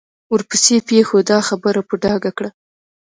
ورپسې پېښو دا خبره په ډاګه کړه.